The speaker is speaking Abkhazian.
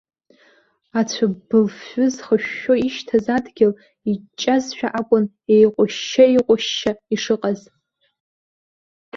Ацәыббылфҩы зхышәшәо ишьҭаз адгьыл, иҷҷазшәа акәын еиҟәышьшьа-еиҟәышьшьа ишыҟаз.